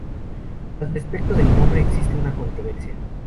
Al respecto del nombre existe una controversia.